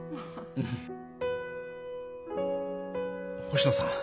星野さん。